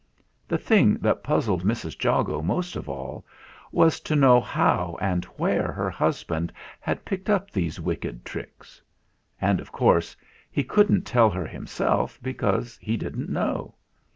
The thing that puzzled Mrs. Jago most of all was to know how and where her husband had picked up these wicked tricks. And, of course, he couldn't tell her himself because he didn't know.